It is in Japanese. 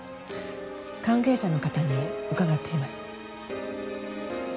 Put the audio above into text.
関係者の方に伺っています。